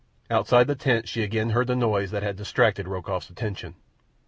Outside the tent she again heard the noise that had distracted Rokoff's attention.